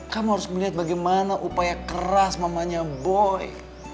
kamu harus melihat bagaimana upaya keras mamanya boy